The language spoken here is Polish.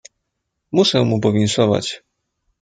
"Muszę mu powinszować."